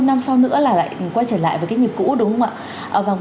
sáu năm sau nữa là lại quay trở lại với cái nhịp cũ đúng không ạ